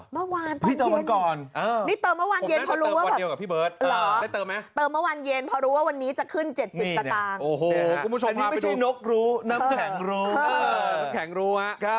เมื่อวานตอนเย็นนี่เติมเมื่อวานเย็นเพราะรู้ว่าวันนี้จะขึ้น๗๐ตระต่างอันนี้ไม่ใช่นกรู้น้ำแข็งรู้